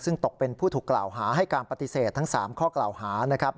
ซึ่งตกเป็นผู้ถูกกล่าวหาให้การปฏิเสธทั้ง๓ข้อกล่าวหานะครับ